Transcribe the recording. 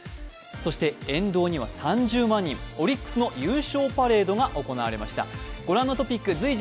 そして沿道には３０万人、オリックスの優勝パレードが行われました。